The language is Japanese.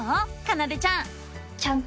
かなでちゃん。